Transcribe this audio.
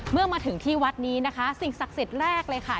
เมื่อมาถึงที่วัดนี้นะคะสิ่งศักดิ์สิทธิ์แรกเลยค่ะ